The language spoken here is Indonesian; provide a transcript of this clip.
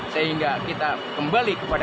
sehingga kita kembali kepadanya